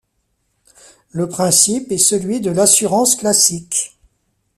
Le principe est celui de l’assurance classique.